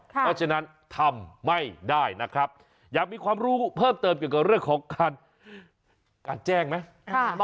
เพราะฉะนั้นทำไม่ได้นะครับอยากมีความรู้เพิ่มเติมเกี่ยวกับเรื่องของการแจ้งไหม